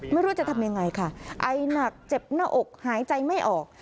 ไม่รู้จะทำยังไงค่ะไอหนักเจ็บหน้าอกหายใจไม่ออก